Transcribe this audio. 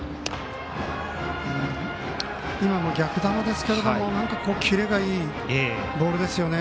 今も逆球ですけどキレがいいボールですよね。